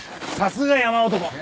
さすが山男。